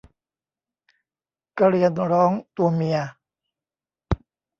กระเรียนร้องตัวเมีย